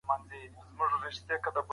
زه اوږده وخت د باغ بوټو ته اوبه ورکوم وم.